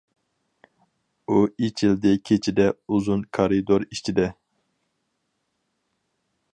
ئۇ ئېچىلدى كېچىدە ئۇزۇن كارىدۇر ئىچىدە.